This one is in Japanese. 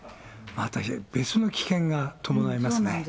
また別の危険が伴いますね。